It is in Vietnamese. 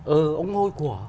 ừ ông hôi của